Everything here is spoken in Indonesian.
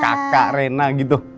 kakak reina gitu